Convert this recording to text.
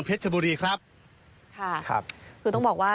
นี่แหละนี่แหละนี่แหละนี่แหละ